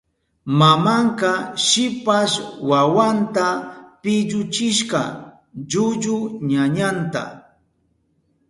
Mamanka shipas wawanta pilluchishka llullu ñañanta.